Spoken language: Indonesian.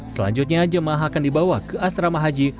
selanjutnya jemaah akan dibawa ke asrama haji